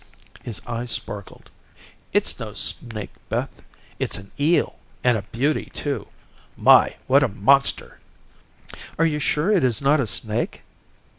His eyes sparkled. "It's no snake, Beth. It's an eel and a beauty too. My, what a monster!" "Are you sure it is not a snake?"